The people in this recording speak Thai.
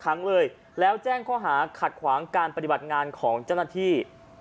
ขังเลยแล้วแจ้งข้อหาขัดขวางการปฏิบัติงานของเจ้าหน้าที่